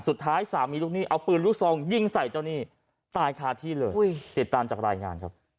สุดท้ายสามีลูกหนี้เอาปืนลูกซองยิงใส่เจ้าหนี้